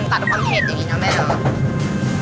ตะดอุปกรรมเผ็ดอย่างนี้นะแม่น้อง